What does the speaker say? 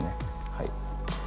はい。